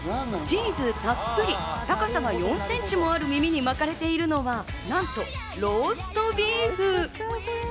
チーズたっぷり、高さが４センチもある耳に巻かれているのは、なんとローストビーフ。